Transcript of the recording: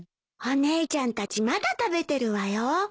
お姉ちゃんたちまだ食べてるわよ。